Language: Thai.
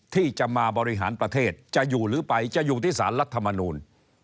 ที่จะมาบริหารประเทศจะอยู่หรือไปจะอยู่ที่สารรัฐมนูล